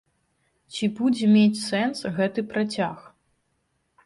Ці будзе мець сэнс гэты працяг?